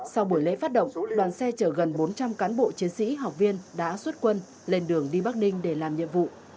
sau buổi lễ phát động đoàn xe chở gần bốn trăm linh cán bộ chiến sĩ học viên đã xuất quân lên đường đi bắc ninh để làm nhiệm vụ